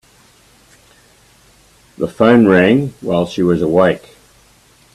The phone rang while she was awake.